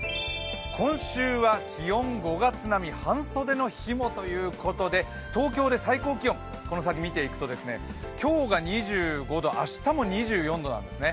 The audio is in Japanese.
今週は気温５月並み、半袖の日もということで東京で最高気温、この先見ていくと今日が２５度、明日も２４度なんですね